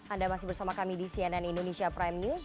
anda masih bersama kami di cnn indonesia prime news